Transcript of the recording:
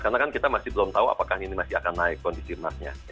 karena kan kita masih belum tahu apakah ini masih akan naik kondisi emasnya